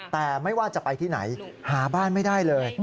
แต่ไม่ว่าจะไปที่ไหนหาบ้านไม่ได้เลย